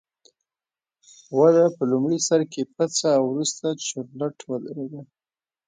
وده په لومړي سر کې پڅه او وروسته چورلټ ودرېده